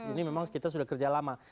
ini memang kita sudah kerja lama